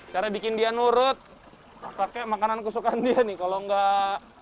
cara bikin dia nurut pakai makanan kesukaan nya nih kalau mem conoc ini